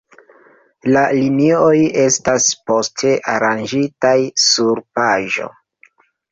La linioj estas poste aranĝitaj sur paĝo.